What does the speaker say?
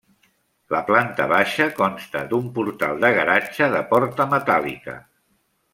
La planta baixa consta d'un portal de garatge de porta metàl·lica.